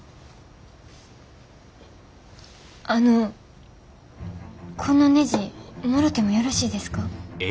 あのこのねじもろてもよろしいですか？